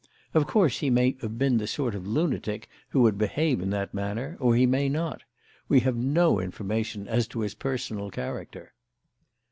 Of course, he may have been the sort of lunatic who would behave in that manner or he may not. We have no information as to his personal character.